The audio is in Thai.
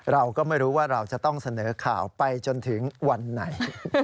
เราก็ไม่รู้ว่าเราจะต้องเสนอข่าวไปจนถึงวันไหน